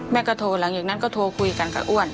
แม่ก็โทรหลังจากนั้นก็โทรคุยกันกับอ้วน